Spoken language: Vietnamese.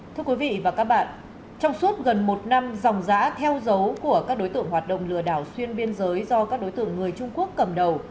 thưa quý vị và các bạn trong suốt gần một năm dòng giã theo dấu của các đối tượng hoạt động lừa đảo xuyên biên giới do các đối tượng người trung quốc cầm đầu